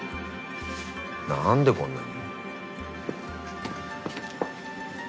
何でこんなに？